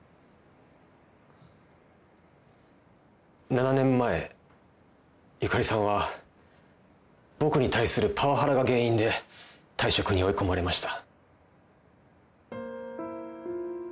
７年前ゆかりさんは僕に対するパワハラが原因で退職に追い込まれました。